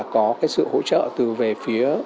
có sự hỗ trợ từ phía